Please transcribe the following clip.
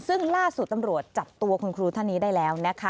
ซึ่งล่าสุดตำรวจจับตัวคุณครูท่านนี้ได้แล้วนะคะ